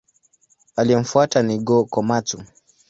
Aliyemfuata ni Go-Komatsu.